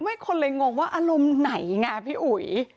คนเลยงงว่าอารมณ์ไหนไงพี่อุ๋ย